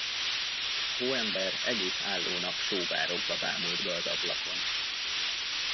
A hóember egész álló nap sóvárogva bámult be az ablakon.